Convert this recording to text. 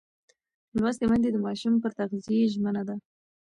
لوستې میندې د ماشوم پر تغذیه ژمنه ده.